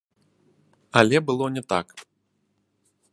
Але было не так.